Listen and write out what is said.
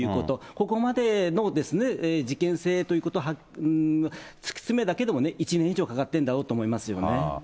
ここまでの事件性ということを突き詰めるだけでも１年以上かかってるんだろうと思いますよね。